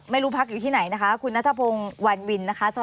ไม่รู้พักอยู่ที่ไหนนะคะคุณนัทธพงศ์วันวินนะคะสวัสดีค่ะ